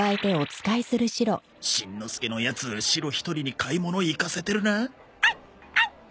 しんのすけのやつシロひとりに買い物行かせてるなアンアン！